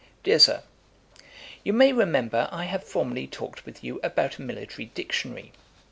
] 'DEAR SIR, 'You may remember I have formerly talked with you about a Military Dictionary.